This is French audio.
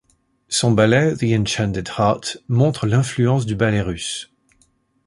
Son ballet “The enchanted heart” montre l’influence du ballet russe.